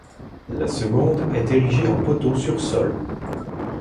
La seconde est est érigée en poteaux sur sole.